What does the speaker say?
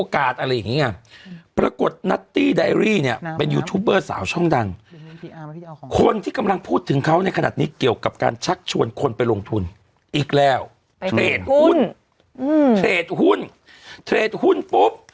การชักชวนคนไปลงทุนอีกแล้วไปเทรดหุ้นอืมเทรดหุ้นเทรดหุ้นปุ๊บ